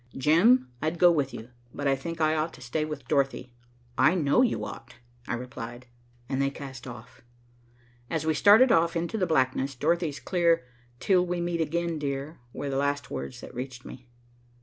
"Jim, I'd go with you, but I think I ought to stay with Dorothy." "I know you ought," I replied, and they cast off. As we started off into the blackness, Dorothy's clear "Till we meet again, dear," were the last words that reached me.